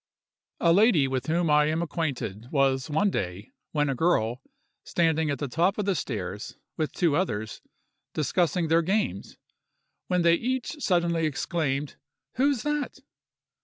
A lady with whom I am acquainted was one day, when a girl, standing at the top of the stairs, with two others, discussing their games, when they each suddenly exclaimed: "Who's that?"